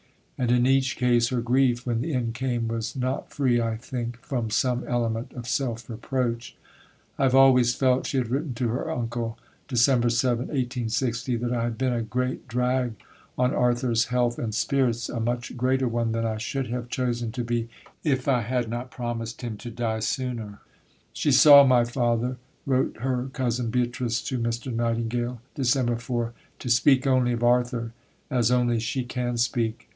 And in each case her grief, when the end came, was not free, I think, from some element of self reproach. "I have always felt," she had written to her uncle (Dec. 7, 1860), "that I have been a great drag on Arthur's health and spirits, a much greater one than I should have chosen to be, if I had not promised him to die sooner." "She saw my father," wrote her cousin Beatrice to Mr. Nightingale (Dec. 4), "to speak only of Arthur, as only she can speak.